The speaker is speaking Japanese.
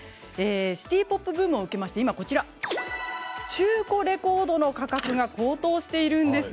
シティ・ポップブームを受けまして今、中古レコードの価格が高騰しているんです。